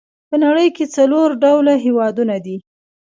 په نړۍ کې څلور ډوله هېوادونه دي.